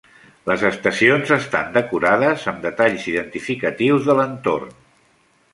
Les estacions estan decorades amb detalls identificatius de l'entorn.